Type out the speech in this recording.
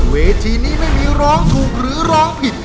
เวทีนี้ไม่มีร้องถูกหรือร้องผิด